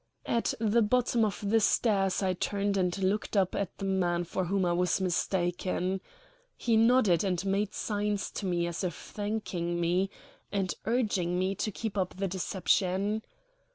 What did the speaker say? At the bottom of the stairs I turned and looked up at the man for whom I was mistaken. He nodded and made signs to me as if thanking me, and urging me to keep up the deception.